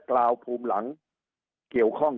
สุดท้ายก็ต้านไม่อยู่